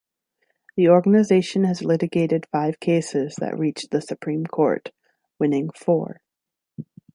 The organization has litigated five cases that reached the Supreme Court, winning four.